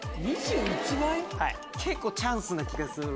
結構チャンスな気がする。